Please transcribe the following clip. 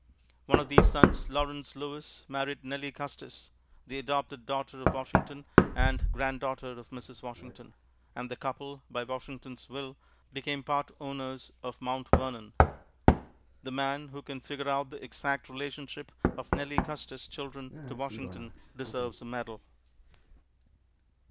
One of these sons Lawrence Lewis married Nellie Custis, the adopted daughter of Washington and granddaughter of Mrs. Washington, and the couple, by Washington's will, became part owners of Mount Vernon. The man who can figure out the exact relationship of Nellie Custis' children to Washington deserves a medal.